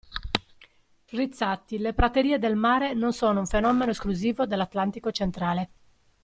Rizzatti, le praterie del mare non sono un fenomeno esclusivo dell'Atlantico centrale.